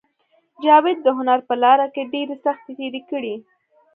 جاوید د هنر په لاره کې ډېرې سختۍ تېرې کړې